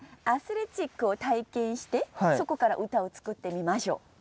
アスレチックを体験してそこから歌を作ってみましょう。